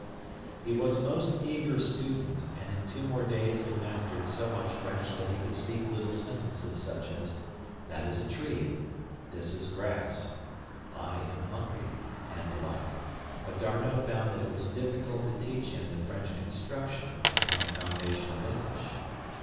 He was a most eager student, and in two more days had mastered so much French that he could speak little sentences such as: "That is a tree," "this is grass," "I am hungry," and the like, but D'Arnot found that it was difficult to teach him the French construction upon a foundation of English.